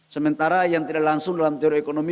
sementara yang tidak langsung dalam teori ekonomi